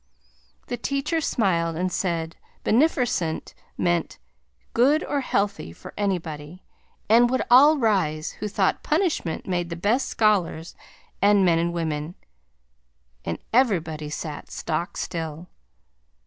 Then teacher smiled and said benefercent meant good or healthy for anybody, and would all rise who thought punishment made the best scholars and men and women; and everybody sat stock still.